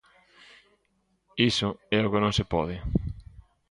Iso é o que non se pode.